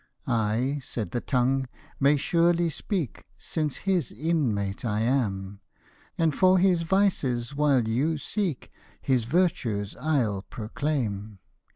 42 11 I," said the tongue, " may surely speak, Since I his inmate am ; And for his vices while you seek, His virtues I'll proclaim.